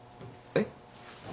えっ？